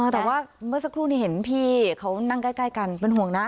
แต่ว่าเมื่อสักครู่นี้เห็นพี่เขานั่งใกล้กันเป็นห่วงนะ